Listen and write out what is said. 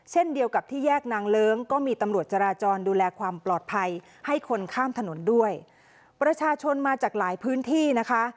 เช่นเดียวกับที่แยกนางเลิ้งก็มีตำรวจจราจรดูแลความปลอดภัยให้คนข้ามถนนด้วยประชาชนมาจากหลายพื้นที่นะคะ